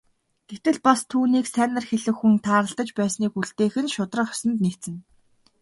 Гэтэл бас түүнийг сайнаар хэлэх хүн тааралдаж байсныг үлдээх нь шударга ёсонд нийцнэ.